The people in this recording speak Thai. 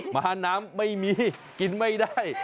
มาน้ำไม่มีกินไม่ได้